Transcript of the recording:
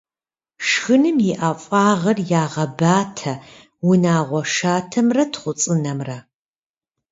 Шхыным и ӏэфагъыр ягъэбатэ унагъуэ шатэмрэ тхъуцӏынэмрэ.